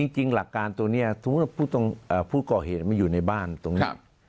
หลักการตัวนี้สมมุติผู้ก่อเหตุมาอยู่ในบ้านตรงนี้